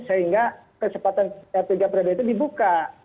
sehingga kesempatan tiga periode itu dibuka